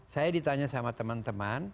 saya ditanya sama teman teman